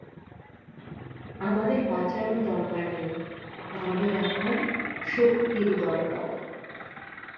আমাদের বাঁচানোর দরকার নেই, আমাদের এখন শক্তির দরকার।